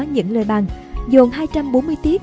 những lời bàn dồn hai trăm bốn mươi tiết